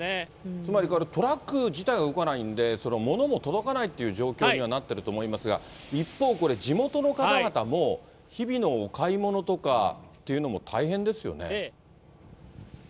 つまりこれ、トラック自体が動かないんで、ものも届かないという状況になっていると思いますが、一方、これ、地元の方々も、日々のお買い物とかっていうのも大変ですよね。